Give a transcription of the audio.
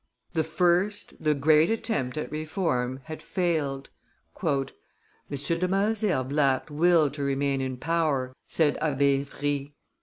The first, the great attempt at reform had failed. "M. de Malesherbes lacked will to remain in power," said Abbe Wry, "M.